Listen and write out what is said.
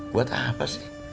buat apa sih